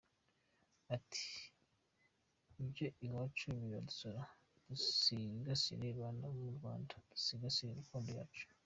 Ati: “Ibyo iwacu biradusa! Dusigasire bana b’u Rwanda dusigasire Gakondo yacu.